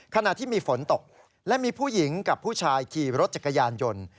ขณะที่มีฝนตกและมีผู้หญิงกับผู้ชายขี่รถจักรยานยนต์